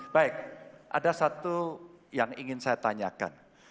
baik ada satu yang ingin saya tanyakan